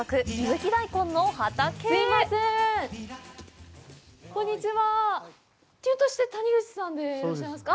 ひょっとして谷口さんでいらっしゃいますか？